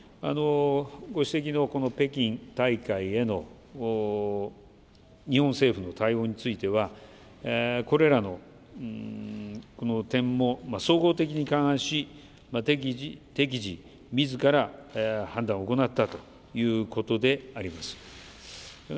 ご指摘のこの北京大会への日本政府の対応については、これらのこの点も、総合的に勘案し、適時、みずから判断を行ったということであります。